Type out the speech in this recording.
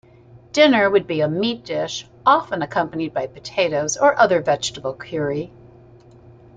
Dinner would be a meat dish, often accompanied by potatoes or other vegetable curry.